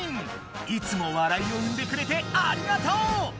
いつも笑いを生んでくれてありがとう！